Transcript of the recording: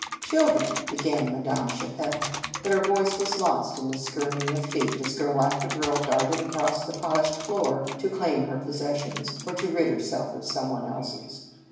" Children," began Madame Cha pelle; but her voice was lost in the scurrying of feet, as girl after girl darted across the polished floor to claim her possessions, or to rid herself of some one else s.